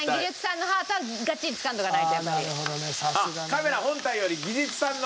カメラ本体より。